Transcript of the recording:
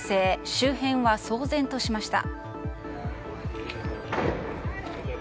周辺は騒然としました。